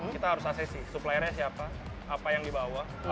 kita harus aksesi suppliernya siapa apa yang dibawa